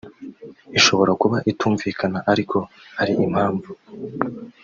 ishobora kuba itumvikana ariko ari impamvu